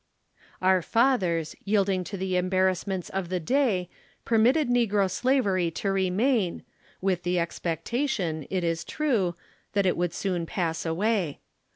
Our fathers, yielding to the embarrassments of the day permitted negro slavery to remain, with the expectation, it is true, that it would soon pass away.